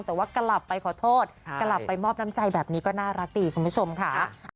แต่ว่ากลับไปขอโทษกลับไปมอบน้ำใจแบบนี้ก็น่ารักดีคุณผู้ชมค่ะ